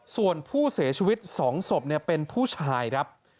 ส่วนผู้เสียชีวิต๒ศพเป็นผู้ชายครับ